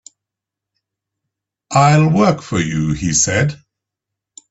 "I'll work for you," he said.